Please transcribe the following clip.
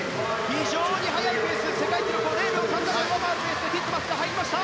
非常に速いペース、世界記録を０秒３７上回るペースでティットマスが入りました。